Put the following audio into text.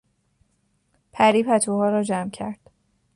پری پتوها را جمع کرد.